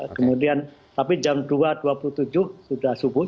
kemudian tapi jam dua dua puluh tujuh sudah subuh